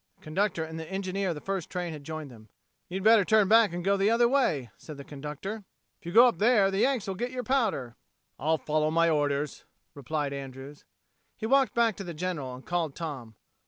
The conductor and the engineer of the first train had joined them. "You'd better turn back and go the other way," said the conductor. "If you go up there, the Yanks will get your powder." "I'll follow my orders," replied Andrews. He walked back to the General, and called Tom.